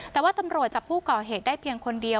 แต่ว่าตำรวจจับผู้ก่อเหตุได้เพียงคนเดียว